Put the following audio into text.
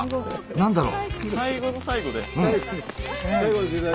何だろう？